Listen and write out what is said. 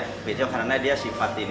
kue tiaw karena dia sifat ini